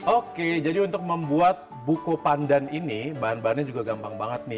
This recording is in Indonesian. oke jadi untuk membuat buku pandan ini bahan bahannya juga gampang banget nih